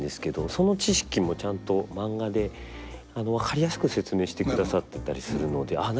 その知識もちゃんとマンガで分かりやすく説明してくださってたりするのでああ